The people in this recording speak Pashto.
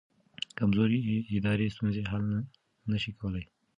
کمزوري ادارې ستونزې حل نه شي کولی.